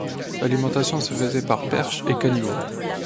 L'alimentation se faisait par perche et caniveau.